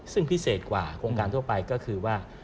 ซึ่งพิเศษกว่าโครงการทั่วไปก็คือว่า